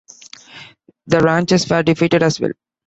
The ranchers were defeated as well.